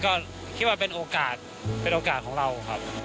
ก็คิดว่าเป็นโอกาสเป็นโอกาสของเราครับ